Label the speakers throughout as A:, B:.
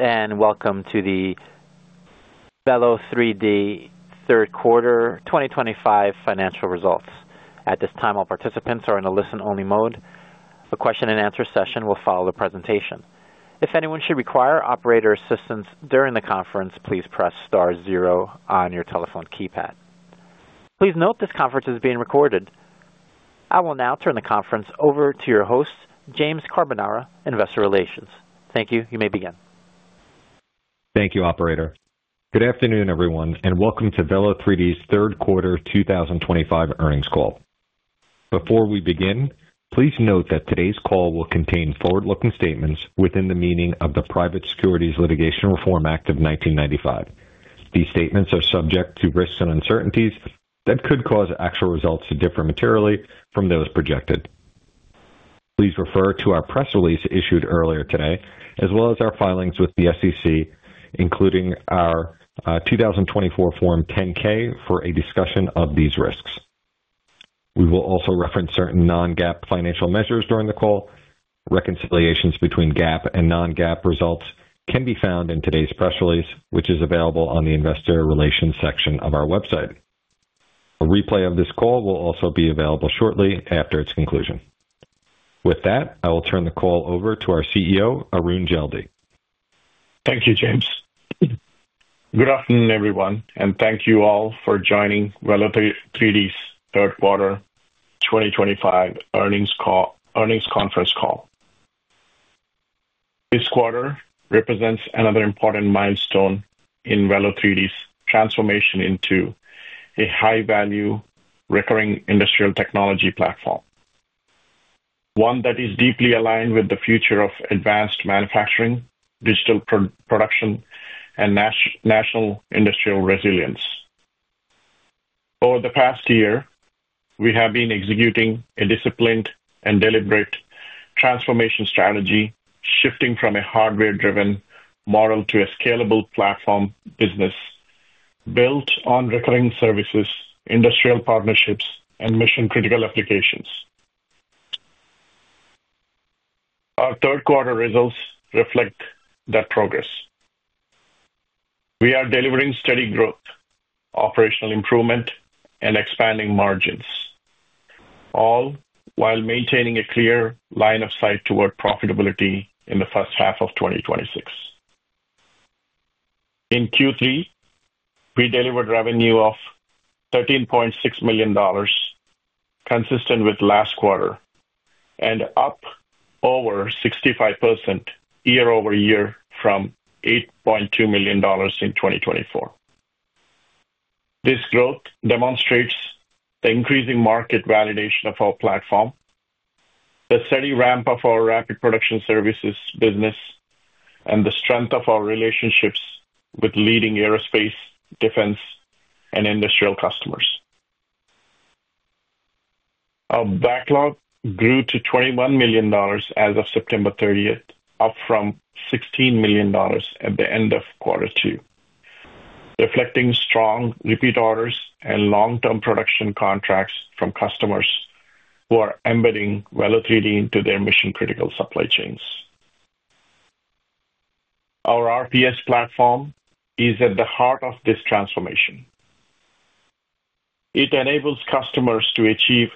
A: Welcome to the Velo3D third quarter 2025 financial results. At this time, all participants are in a listen-only mode. The question-and-answer session will follow the presentation. If anyone should require operator assistance during the conference, please press star zero on your telephone keypad. Please note this conference is being recorded. I will now turn the conference over to your host, James Carbonara, Investor Relations. Thank you. You may begin.
B: Thank you, Operator. Good afternoon, everyone, and welcome to Velo3D's third quarter 2025 earnings call. Before we begin, please note that today's call will contain forward-looking statements within the meaning of the Private Securities Litigation Reform Act of 1995. These statements are subject to risks and uncertainties that could cause actual results to differ materially from those projected. Please refer to our press release issued earlier today, as well as our filings with the SEC, including our 2024 Form 10-K for a discussion of these risks. We will also reference certain non-GAAP financial measures during the call. Reconciliations between GAAP and non-GAAP results can be found in today's press release, which is available on the Investor Relations section of our website. A replay of this call will also be available shortly after its conclusion. With that, I will turn the call over to our CEO, Arun Jeldi.
C: Thank you, James. Good afternoon, everyone, and thank you all for joining Velo3D's third quarter 2025 earnings conference call. This quarter represents another important milestone in Velo3D's transformation into a high-value recurring industrial technology platform, one that is deeply aligned with the future of advanced manufacturing, digital production, and national industrial resilience. Over the past year, we have been executing a disciplined and deliberate transformation strategy, shifting from a hardware-driven model to a scalable platform business built on recurring services, industrial partnerships, and mission-critical applications. Our third quarter results reflect that progress. We are delivering steady growth, operational improvement, and expanding margins, all while maintaining a clear line of sight toward profitability in the first half of 2026. In Q3, we delivered revenue of $13.6 million, consistent with last quarter, and up over 65% year-over-year from $8.2 million in 2024. This growth demonstrates the increasing market validation of our platform, the steady ramp of our rapid production services business, and the strength of our relationships with leading aerospace, defense, and industrial customers. Our backlog grew to $21 million as of September 30th, up from $16 million at the end of quarter two, reflecting strong repeat orders and long-term production contracts from customers who are embedding Velo3D into their mission-critical supply chains. Our RPS platform is at the heart of this transformation. It enables customers to achieve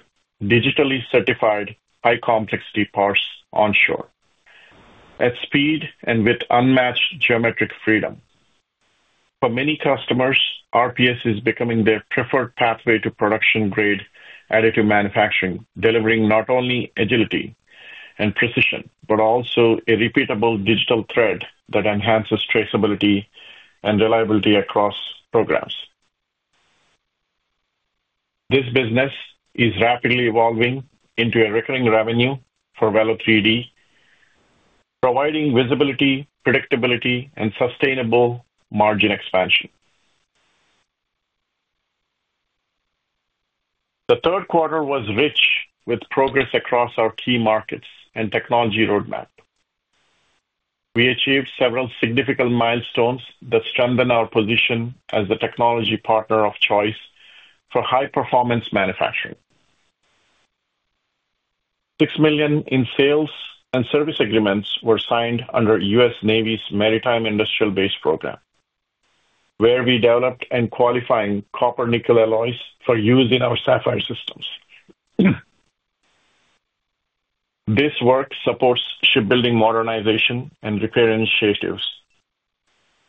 C: digitally certified high-complexity parts onshore at speed and with unmatched geometric freedom. For many customers, RPS is becoming their preferred pathway to production-grade additive manufacturing, delivering not only agility and precision but also a repeatable digital thread that enhances traceability and reliability across programs. This business is rapidly evolving into a recurring revenue for Velo3D, providing visibility, predictability, and sustainable margin expansion. The third quarter was rich with progress across our key markets and technology roadmap. We achieved several significant milestones that strengthen our position as the technology partner of choice for high-performance manufacturing. $6 million in sales and service agreements were signed under U.S. Navy's Maritime Industrial Base Program, where we developed and qualified copper-nickel alloys for use in our Sapphire systems. This work supports shipbuilding modernization and repair initiatives,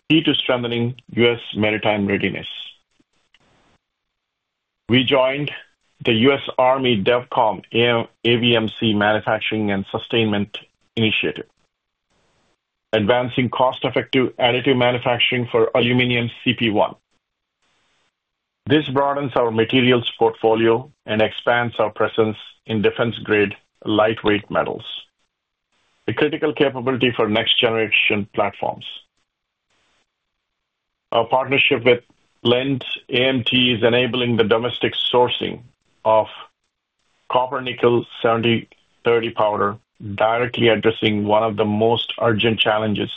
C: key to strengthening U.S. maritime readiness. We joined the U.S. Army DevCom AvMC Manufacturing and Sustainment Initiative, advancing cost-effective additive manufacturing for aluminum CP1. This broadens our materials portfolio and expands our presence in defense-grade lightweight metals, a critical capability for next-generation platforms. Our partnership with Linde AMT is enabling the domestic sourcing of copper-nickel 70/30 powder, directly addressing one of the most urgent challenges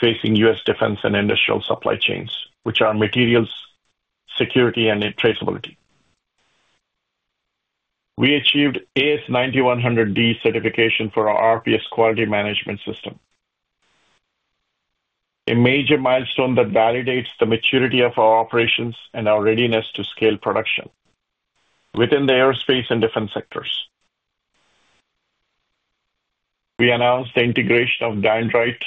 C: facing U.S. defense and industrial supply chains, which are materials security and traceability. We achieved AS 9100D certification for our RPS quality management system, a major milestone that validates the maturity of our operations and our readiness to scale production within the aerospace and defense sectors. We announced the integration of Dyndrite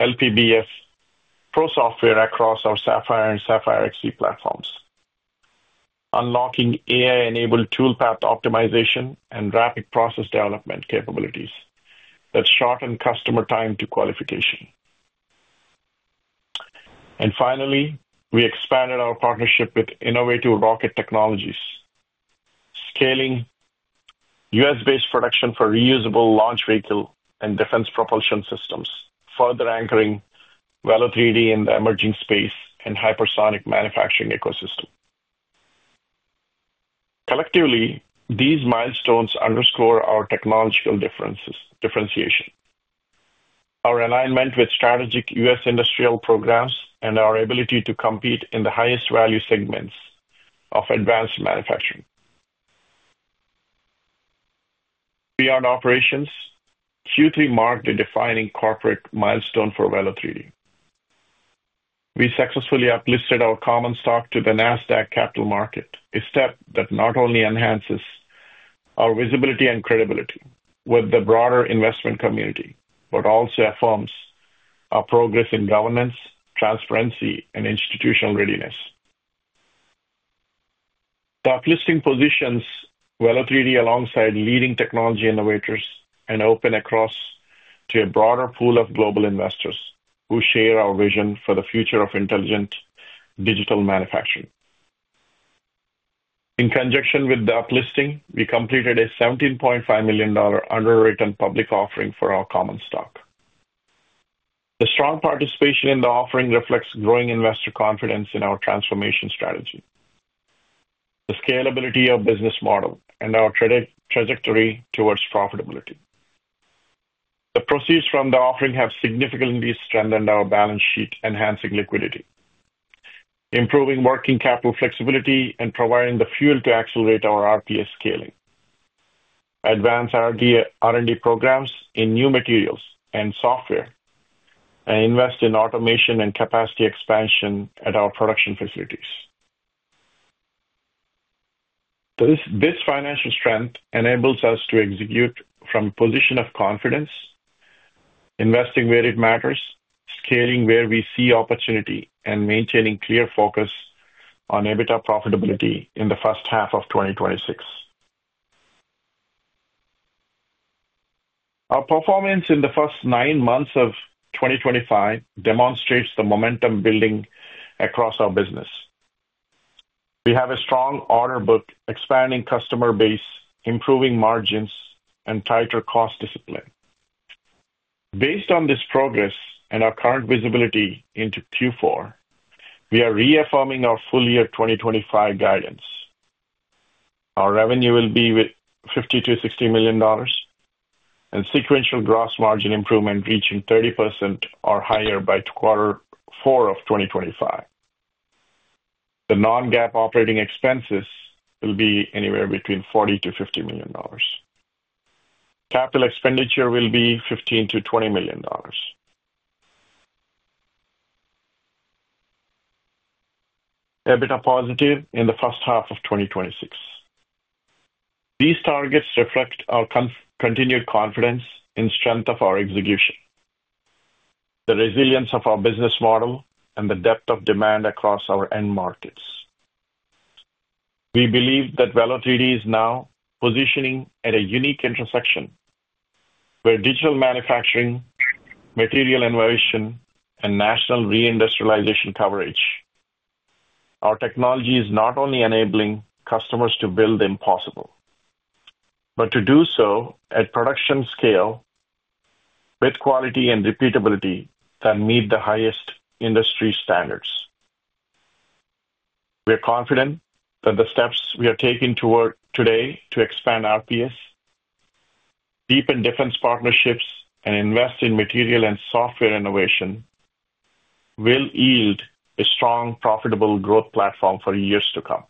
C: LPBF Pro software across our Sapphire and Sapphire XC platforms, unlocking AI-enabled toolpath optimization and rapid process development capabilities that shorten customer time to qualification. Finally, we expanded our partnership with Innovative Rocket Technologies, scaling U.S.-based production for reusable launch vehicle and defense propulsion systems, further anchoring Velo3D in the emerging space and hypersonic manufacturing ecosystem. Collectively, these milestones underscore our technological differentiation, our alignment with strategic U.S. Industrial Programs, and our ability to compete in the highest-value segments of advanced manufacturing. Beyond operations, Q3 marked a defining corporate milestone for Velo3D. We successfully uplisted our common stock to the Nasdaq Capital Market, a step that not only enhances our visibility and credibility with the broader investment community but also affirms our progress in governance, transparency, and institutional readiness. The uplisting positions Velo3D alongside leading technology innovators and opens across to a broader pool of global investors who share our vision for the future of intelligent digital manufacturing. In conjunction with the uplisting, we completed a $17.5 million underwritten public offering for our common stock. The strong participation in the offering reflects growing investor confidence in our transformation strategy, the scalability of the business model, and our trajectory towards profitability. The proceeds from the offering have significantly strengthened our balance sheet, enhancing liquidity, improving working capital flexibility, and providing the fuel to accelerate our RPS scaling, advance R&D programs in new materials and software, and invest in automation and capacity expansion at our production facilities. This financial strength enables us to execute from a position of confidence, investing where it matters, scaling where we see opportunity, and maintaining clear focus on EBITDA profitability in the first half of 2026. Our performance in the first nine months of 2025 demonstrates the momentum building across our business. We have a strong order book, expanding customer base, improving margins, and tighter cost discipline. Based on this progress and our current visibility into Q4, we are reaffirming our full-year 2025 guidance. Our revenue will be within $50-$60 million and sequential gross margin improvement reaching 30% or higher by quarter four of 2025. The non-GAAP operating expenses will be anywhere between $40-$50 million. Capital expenditure will be $15-$20 million. EBITDA positive in the first half of 2026. These targets reflect our continued confidence in the strength of our execution, the resilience of our business model, and the depth of demand across our end markets. We believe that Velo3D is now positioning at a unique intersection where digital manufacturing, material innovation, and national reindustrialization coverage. Our technology is not only enabling customers to build the impossible, but to do so at production scale with quality and repeatability that meet the highest industry standards. We are confident that the steps we are taking today to expand RPS, deepen defense partnerships, and invest in material and software innovation will yield a strong, profitable growth platform for years to come.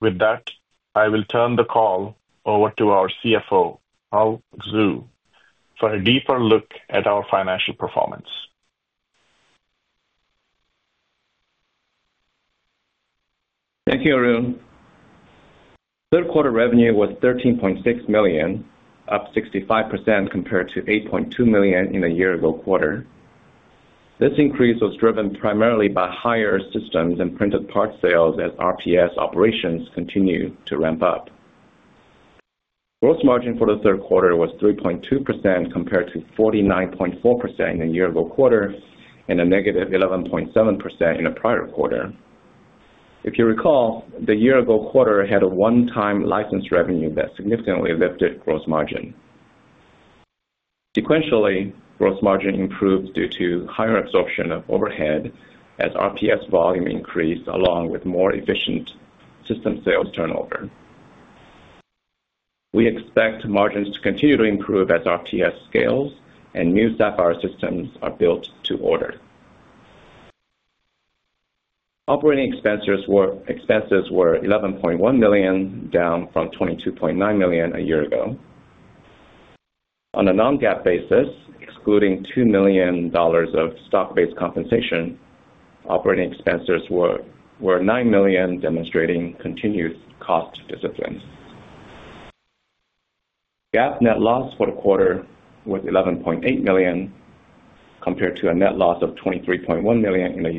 C: With that, I will turn the call over to our CFO, Hull Xu, for a deeper look at our financial performance.
D: Thank you, Arun. Third quarter revenue was $13.6 million, up 65% compared to $8.2 million in the year-to-quarter. This increase was driven primarily by higher systems and printed parts sales as RPS operations continue to ramp up. Gross margin for the third quarter was 3.2% compared to 49.4% in the year-to-quarter and a negative 11.7% in the prior quarter. If you recall, the year-to-quarter had a one-time license revenue that significantly lifted gross margin. Sequentially, gross margin improved due to higher absorption of overhead as RPS volume increased along with more efficient system sales turnover. We expect margins to continue to improve as RPS scales and new Sapphire systems are built to order. Operating expenses were $11.1 million, down from $22.9 million a year ago. On a non-GAAP basis, excluding $2 million of stock-based compensation, operating expenses were $9 million, demonstrating continued cost discipline. GAAP net loss for the quarter was $11.8 million compared to a net loss of $23.1 million in the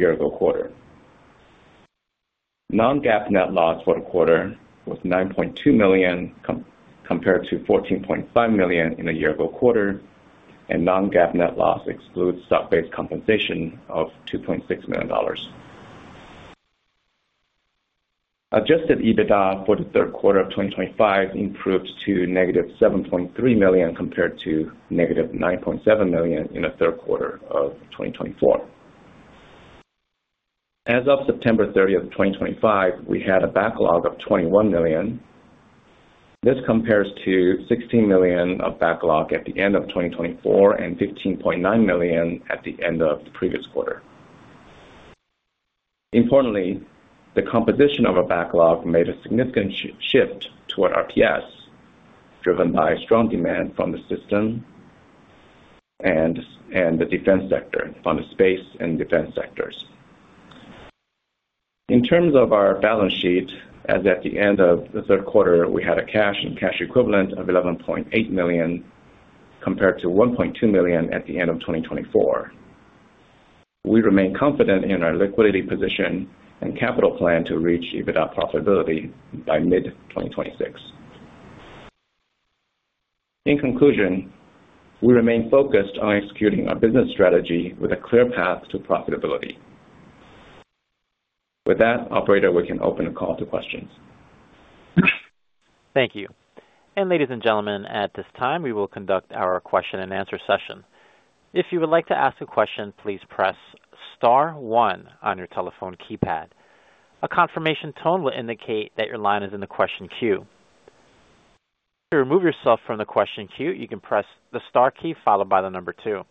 D: year-to-quarter. Non-GAAP net loss for the quarter was $9.2 million compared to $14.5 million in the year-to-quarter, and non-GAAP net loss excludes stock-based compensation of $2.6 million. Adjusted EBITDA for the third quarter of 2025 improved to negative $7.3 million compared to negative $9.7 million in the third quarter of 2024. As of September 30th, 2025, we had a backlog of $21 million. This compares to $16 million of backlog at the end of 2024 and $15.9 million at the end of the previous quarter. Importantly, the composition of the backlog made a significant shift toward RPS, driven by strong demand from the system and the defense sector, from the space and defense sectors. In terms of our balance sheet, as at the end of the third quarter, we had a cash and cash equivalent of $11.8 million compared to $1.2 million at the end of 2024. We remain confident in our liquidity position and capital plan to reach EBITDA profitability by mid-2026. In conclusion, we remain focused on executing our business strategy with a clear path to profitability. With that, Operator, we can open the call to questions.
A: Thank you. Ladies and gentlemen, at this time, we will conduct our question-and-answer session. If you would like to ask a question, please press star one on your telephone keypad. A confirmation tone will indicate that your line is in the question queue. To remove yourself from the question queue, you can press the star key followed by the number two.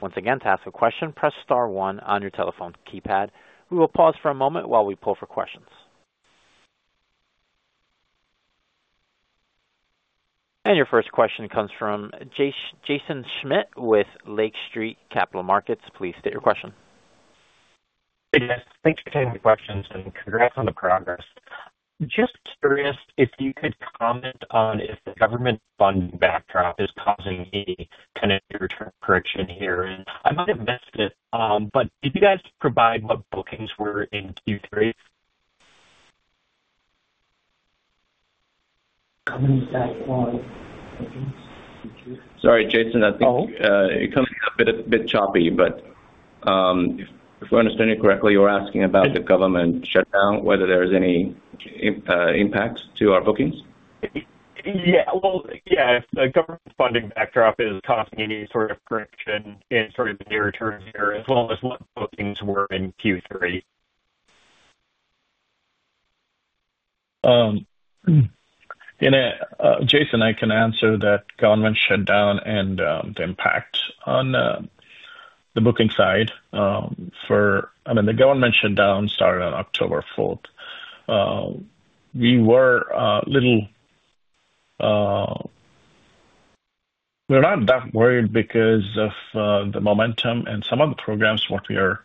A: Once again, to ask a question, press star one on your telephone keypad. We will pause for a moment while we pull for questions. Your first question comes from Jaeson Schmidt with Lake Street Capital Markets. Please state your question.
E: Thanks for taking the questions and congrats on the progress. Just curious if you could comment on if the government fund backdrop is causing any kind of return correction here. I might have missed it, but did you guys provide what bookings were in Q3?
C: Sorry, Jaeson, I think it comes up a bit choppy, but if we're understanding correctly, you're asking about the government shutdown, whether there's any impact to our bookings?
E: Yeah. Yeah, if the government funding backdrop is causing any sort of correction in sort of the returns here, as well as what bookings were in Q3.
D: Jaeson, I can answer that government shutdown and the impact on the booking side for, I mean, the government shutdown started on October 4th. We were a little—we're not that worried because of the momentum, and some of the programs what we are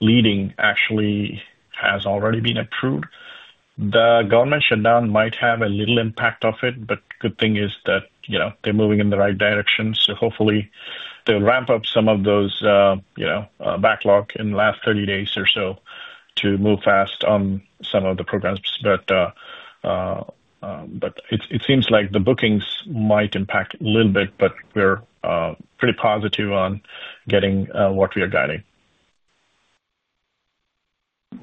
D: leading actually has already been approved. The government shutdown might have a little impact of it, but the good thing is that they're moving in the right direction. Hopefully, they'll ramp up some of those backlog in the last 30 days or so to move fast on some of the programs. It seems like the bookings might impact a little bit, but we're pretty positive on getting what we are guiding.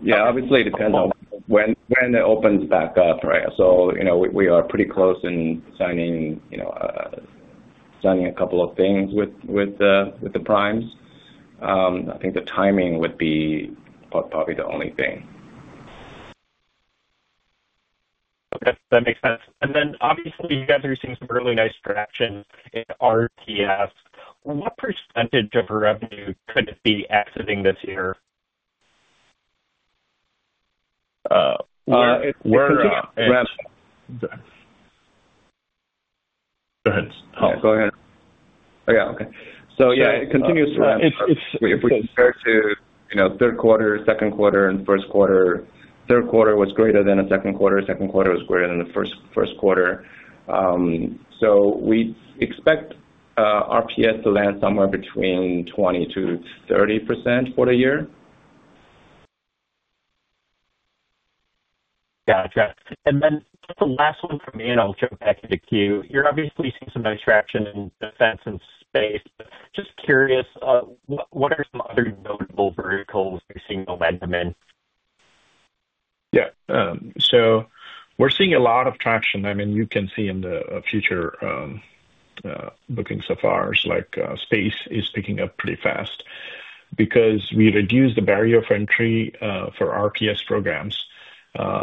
C: Yeah. Obviously, it depends on when it opens back up, right? So we are pretty close in signing a couple of things with the Primes. I think the timing would be probably the only thing.
E: Okay. That makes sense. Obviously, you guys are seeing some really nice traction in RPS. What percentage of revenue could it be exiting this year?
D: We're at—
C: Go ahead.
D: Go ahead.
C: Oh, yeah. Okay. So, yeah, it continues to run.
D: Compared to third quarter, second quarter, and first quarter, third quarter was greater than second quarter. Second quarter was greater than first quarter. We expect RPS to land somewhere between 20-30% for the year.
E: Gotcha. The last one for me, and I'll jump back into queue. You're obviously seeing some nice traction in defense and space. Just curious, what are some other notable verticals you're seeing momentum in?
D: Yeah. So we're seeing a lot of traction. I mean, you can see in the future bookings so far, like space is picking up pretty fast because we reduced the barrier for entry for RPS programs.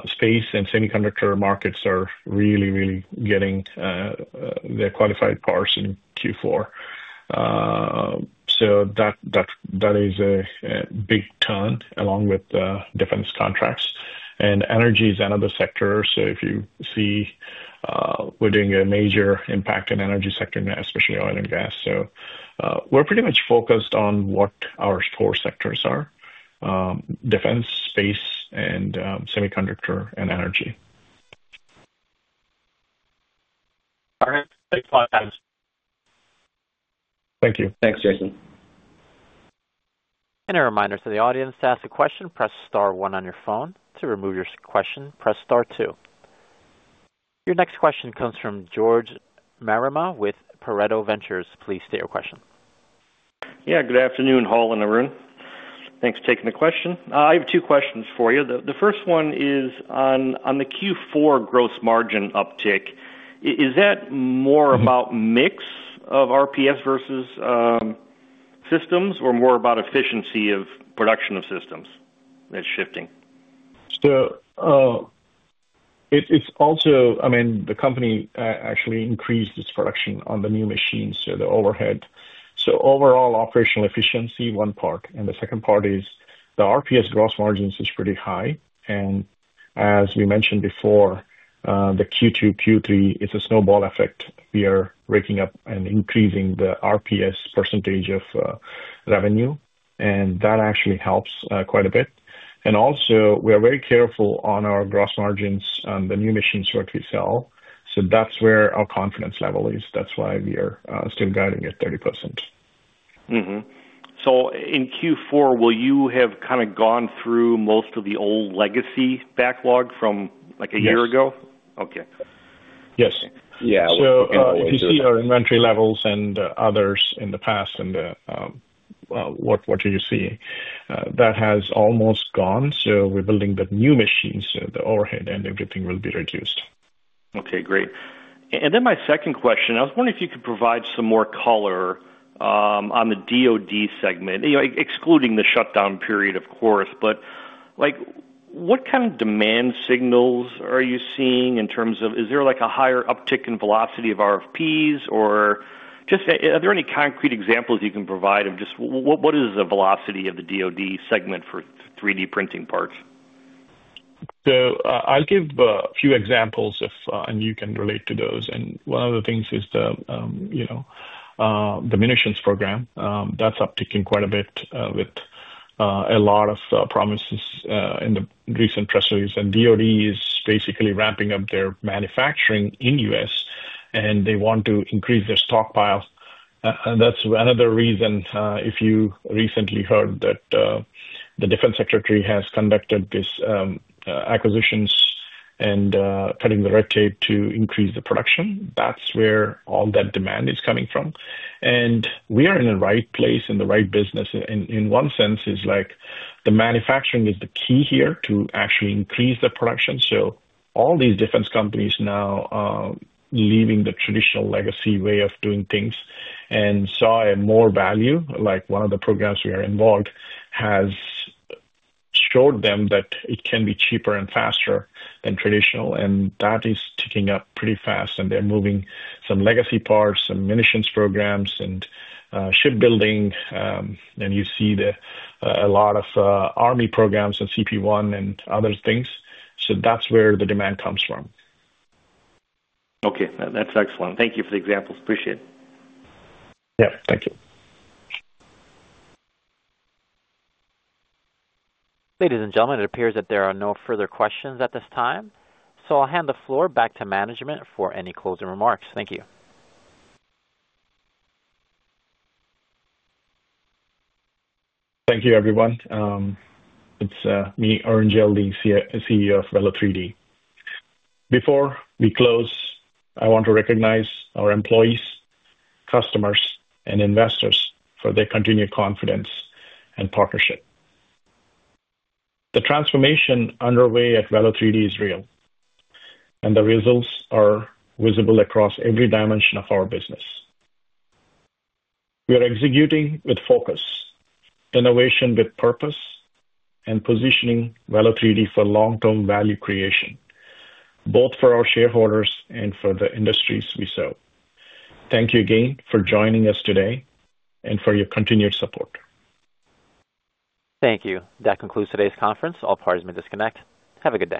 D: Space and semiconductor markets are really, really getting their qualified parts in Q4. That is a big turn along with defense contracts. Energy is another sector. If you see, we're doing a major impact in the energy sector, especially oil and gas. We're pretty much focused on what our core sectors are: defense, space, semiconductor, and energy.
E: All right. Thanks, guys.
D: Thank you.
C: Thanks, Jaeson.
A: A reminder to the audience to ask a question, press star one on your phone. To remove your question, press star two. Your next question comes from George Marema with Pareto Ventures. Please state your question.
F: Yeah. Good afternoon, Hull and Arun. Thanks for taking the question. I have two questions for you. The first one is on the Q4 gross margin uptick. Is that more about mix of RPS versus systems, or more about efficiency of production of systems that's shifting?
D: It's also—I mean, the company actually increased its production on the new machines, so the overhead. Overall operational efficiency, one part. The second part is the RPS gross margins is pretty high. As we mentioned before, the Q2, Q3, it's a snowball effect. We are raking up and increasing the RPS percentage of revenue, and that actually helps quite a bit. We are very careful on our gross margins on the new machines what we sell. That's where our confidence level is. That's why we are still guiding at 30%.
F: In Q4, will you have kind of gone through most of the old legacy backlog from like a year ago?
D: Yes.
F: Okay.
D: Yes. Yeah. If you see our inventory levels and others in the past and what you see, that has almost gone. We are building the new machines, so the overhead and everything will be reduced.
F: Okay. Great. My second question, I was wondering if you could provide some more color on the DoD segment, excluding the shutdown period, of course. What kind of demand signals are you seeing in terms of—is there a higher uptick in velocity of RPS? Are there any concrete examples you can provide of just what is the velocity of the DoD segment for 3D printing parts?
D: I'll give a few examples, and you can relate to those. One of the things is the munitions program. That's upticking quite a bit with a lot of promises in the recent press release. DoD is basically ramping up their manufacturing in the U.S., and they want to increase their stockpile. That's another reason, if you recently heard that the defense secretary has conducted these acquisitions and is cutting the red tape to increase the production. That's where all that demand is coming from. We are in the right place in the right business. In one sense, it's like the manufacturing is the key here to actually increase the production. All these defense companies now are leaving the traditional legacy way of doing things and saw more value. Like one of the programs we are involved has showed them that it can be cheaper and faster than traditional, and that is ticking up pretty fast. They are moving some legacy parts, some Munitions Programs, and shipbuilding. You see a lot of army programs and CP1 and other things. That is where the demand comes from.
F: Okay. That's excellent. Thank you for the examples. Appreciate it.
D: Yeah. Thank you.
A: Ladies and gentlemen, it appears that there are no further questions at this time. So I'll hand the floor back to management for any closing remarks. Thank you.
C: Thank you, everyone. It's me, Arun Jeldi, CEO of Velo3D. Before we close, I want to recognize our employees, customers, and investors for their continued confidence and partnership. The transformation underway at Velo3D is real, and the results are visible across every dimension of our business. We are executing with focus, innovation with purpose, and positioning Velo3D for long-term value creation, both for our shareholders and for the industries we serve. Thank you again for joining us today and for your continued support.
A: Thank you. That concludes today's conference. All parties may disconnect. Have a good day.